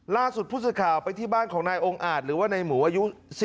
ล่าสุดผู้สื่อข่าวไปที่บ้านของนายองค์อาจหรือว่าในหมูอายุ